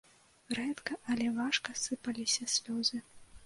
Рэдка, але важка сыпаліся слёзы.